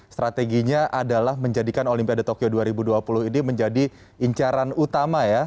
strateginya adalah menjadikan olimpiade tokyo dua ribu dua puluh ini menjadi incaran utama ya